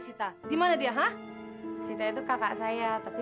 sita dimana dia hah sita itu kakak saya tapi